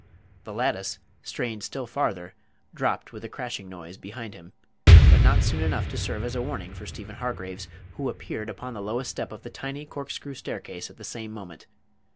The lattice, strained still farther, dropped, with a crashing noise, behind him; but not soon enough to serve as a warning for Stephen Hargraves, who appeared upon the lowest step of the tiny corkscrew staircase at the same moment.